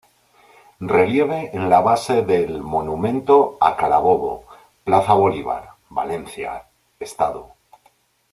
Relieve en la base del "Monumento a Carabobo", Plaza Bolívar, Valencia, Estado.